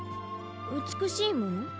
うつくしいもの？